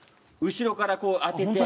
後ろからこう当てて。